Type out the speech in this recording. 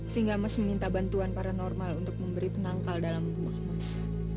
sehingga mas meminta bantuan para normal untuk memberi penangkal dalam rumah mas